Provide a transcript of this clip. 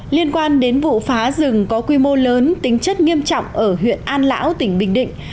liên quan đến vụ phá rừng có quy mô lớn tính chất nghiêm trọng ở huyện an lão tỉnh bình định